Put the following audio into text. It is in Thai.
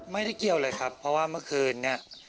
ไม่ได้เกี่ยวเลยครับเพราะว่าเมื่อคืนนี้